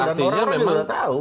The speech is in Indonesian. dan orang orang itu sudah tahu